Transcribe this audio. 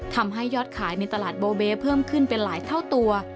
ทำให้ยอดขายในตลาดโบเบเพิ่มขึ้นเป็นหลายเท่าตัว